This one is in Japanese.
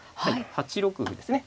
８六歩ですね。